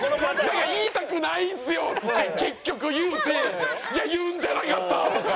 「言いたくないんですよ」っつって結局言うて「いや言うんじゃなかった」とか。